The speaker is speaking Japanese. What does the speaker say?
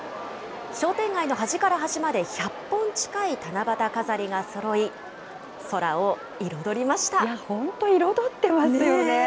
商店街の端から端まで１００本近い七夕飾りがそろい、空を彩りまいや、本当、彩ってますよね。